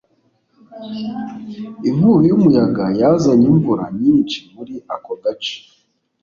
Inkubi yumuyaga yazanye imvura nyinshi muri ako gace